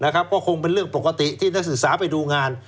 ก็คงเป็นเรื่องปกติที่นักศึกษาไปดูงาน